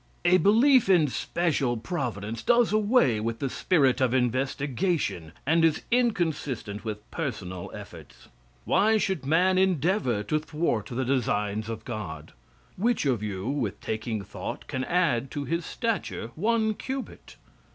A belief in special providence does away with the spirit of investigation, and is inconsistent with personal efforts. Why should man endeavor to thwart the designs of God? "Which of you, with taking thought, can add to his stature one cubit?"